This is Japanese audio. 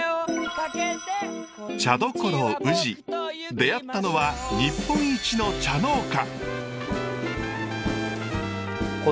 出会ったのは日本一の茶農家。